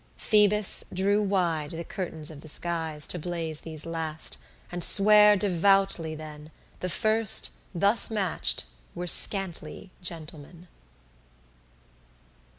Phoebus drew wide the curtains of the skies To blaze these last, and sware devoutly then, The first, thus match'd, were scantly gentlemen.